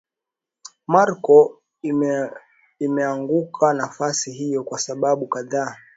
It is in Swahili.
Morocco imeanguka nafasi hiyo kwa sababu kadhaa